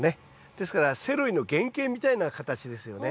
ですからセロリの原形みたいな形ですよね。